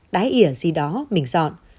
đái ỉa gì đó mình dọn